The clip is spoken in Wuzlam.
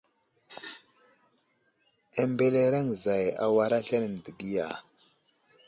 A mbelereŋ zay awar aslane dəgiya.